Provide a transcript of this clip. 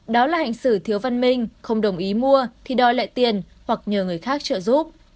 đó là hành xử thiếu văn minh không đồng ý mua thì đòi lại tiền hoặc nhờ người khác trợ giúp